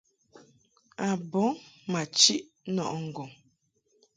A bɔŋ ma chiʼ nɔʼɨ ŋgɔŋ.